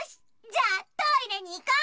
じゃあトイレにいこ！